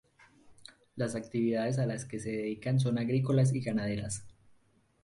Las actividades a las que se dedican son agrícolas y ganaderas.